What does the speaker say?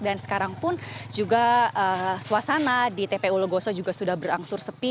dan sekarang pun juga suasana di tpu legoso juga sudah berangsur sepi